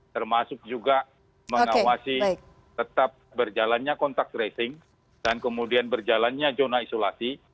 termasuk juga mengawasi tetap berjalannya kontak tracing dan kemudian berjalannya zona isolasi